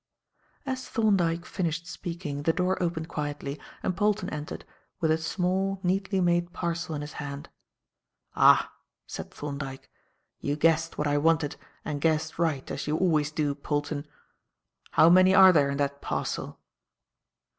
As Thorndyke finished speaking, the door opened quietly and Polton entered with a small, neatly made parcel in his hand. "Ah!" said Thorndyke, "you guessed what I wanted, and guessed right, as you always do, Polton. How many are there in that parcel?"